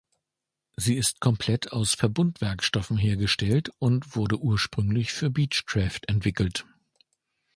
Sie ist komplett aus Verbundwerkstoffen hergestellt und wurde ursprünglich für Beechcraft entwickelt.